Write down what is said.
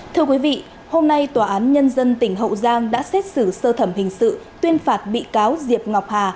thưa quý vị hôm nay tòa án nhân dân tỉnh hậu giang đã xét xử sơ thẩm hình sự tuyên phạt bị cáo diệp ngọc hà